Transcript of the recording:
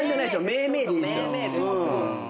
明明でいいですよ。